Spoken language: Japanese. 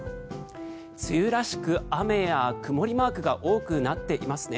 梅雨らしく雨や曇りマークが多くなっていますね。